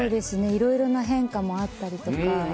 いろいろな変化もあったりとか。